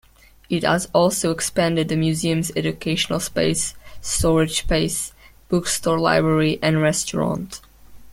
It also expanded the museum's educational space, storage space, bookstore library and restaurant.